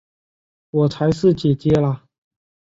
我才是姊姊啦！